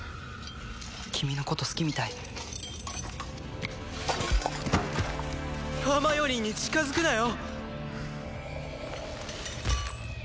君のこと好きみたいハーマイオニーに近づくなよ！